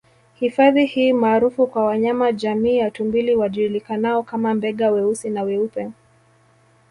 Hifadhi hii maarufu kwa wanyama jamii ya tumbili wajulikanao kama Mbega weusi na weupe